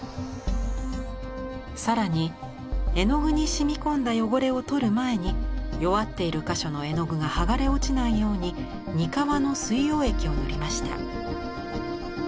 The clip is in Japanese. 更に絵の具に染み込んだ汚れを取る前に弱っている箇所の絵の具が剥がれ落ちないように膠の水溶液を塗りました。